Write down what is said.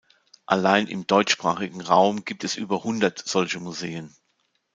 Allein im deutschsprachigen Raum gibt es über hundert solche Museen.